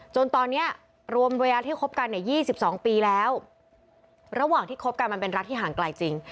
จนตอนนี้รวมระยะที่คบกันเนี่ย๒๒ปีแล้วระหว่างที่คบกันมันเป็นรักที่ห่างไกลจริง